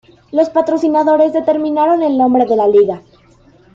Los patrocinadores determinaron el nombre de la Liga.